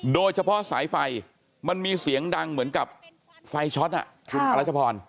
โดยเฉพาะสายไฟมันมีเสียงดังเหมือนกับไฟช็อตคุณอรัชพร